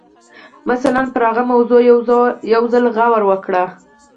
مثلاً پر هغه موضوع یو ځل غور وکړئ